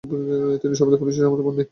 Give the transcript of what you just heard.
তিনি সর্বদা পুলিশের সমর্থন পাননি।